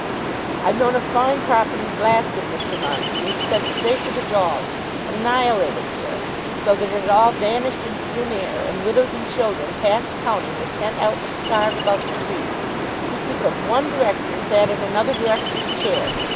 I've known a fine property blasted, Mr. Montague, sent straight to the dogs, annihilated, sir; so that it all vanished into thin air, and widows and children past counting were sent out to starve about the streets, just because one director sat in another director's chair.